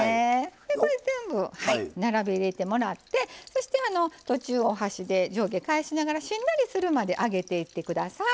でこれ全部並べ入れてもらってそして途中お箸で上下返しながらしんなりするまで揚げていって下さい。